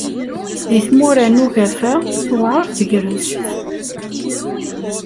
Deg tmura n ugafa, tewɛeṛ tegrest.